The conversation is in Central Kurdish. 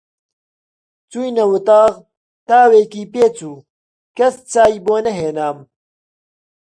چووینە وەتاغ، تاوێکی پێچوو، کەس چای بۆ نەهێنام